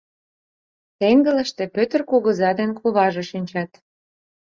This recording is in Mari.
Теҥгылыште Пӧтыр кугыза ден куваже шинчат.